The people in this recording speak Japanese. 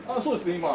そうですね。